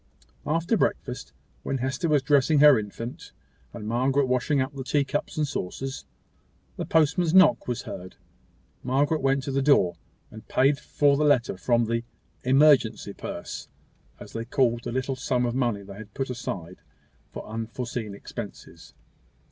After breakfast, when Hester was dressing her infant, and Margaret washing up the tea cups and saucers, the postman's knock was heard. Margaret went to the door, and paid for the letter from the "emergency purse," as they called the little sum of money they had put aside for unforeseen expenses.